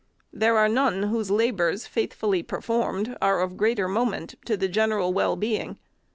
There are none whose labors, faithfully performed, are of greater moment to the general well being.